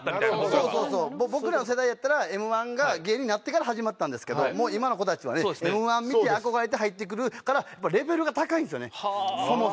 僕らの世代やったら『Ｍ−１』が芸人になってから始まったんですけど今の子たちはね『Ｍ−１』見て憧れて入ってくるからレベルが高いんですよねそもそもが。